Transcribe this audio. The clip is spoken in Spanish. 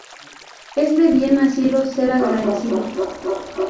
Es de bien nacidos ser agradecidos